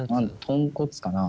とんこつかな。